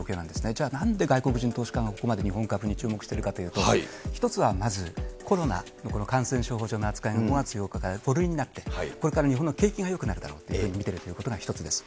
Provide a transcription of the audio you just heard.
じゃあなんで、外国人投資家がここまで日本株に注目しているかというと、１つはまずコロナの感染症法上の扱いが、５月８日から５類になって、これから日本の景気がよくなるだろうというふうに見てるということが１つです。